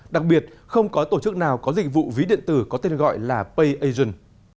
đặc biệt không có tổ chức nào có dịch vụ ví điện tử có tên gọi là payagen